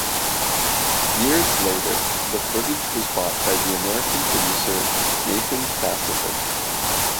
Years later, the footage was bought by the American producer Nathan Sassover.